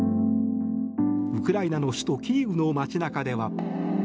ウクライナの首都キーウの街中では。